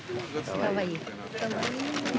かわいい。